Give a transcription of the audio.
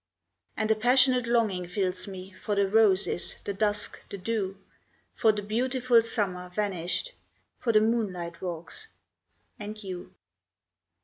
And a passionate longing fills me For the roses, the dusk, the dew; For the beautiful summer vanished, For the moonlight walks and you.